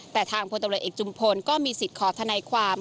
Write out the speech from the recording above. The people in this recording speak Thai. แต่ทางพลตำรวจเอกจุมพลก็มีสิทธิ์ขอทนายความ